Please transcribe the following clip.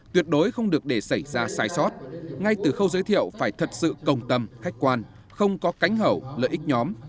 tuyệt đối không được để xảy ra sai sót ngay từ khâu giới thiệu phải thật sự công tâm khách quan không có cánh hậu lợi ích nhóm